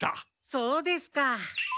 そうですか。